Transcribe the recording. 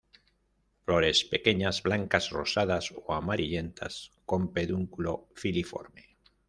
Flores pequeñas, blancas, rosadas o amarillentas; con pedúnculo filiforme.